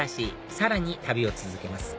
さらに旅を続けます